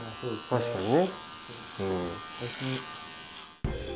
確かにね。